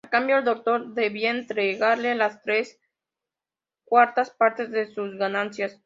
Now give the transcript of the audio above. A cambio, el doctor debía entregarle las tres cuartas partes de sus ganancias.